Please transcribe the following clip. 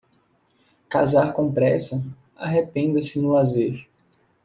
Casar com pressa, arrependa-se no lazer.